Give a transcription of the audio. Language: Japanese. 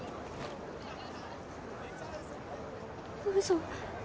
嘘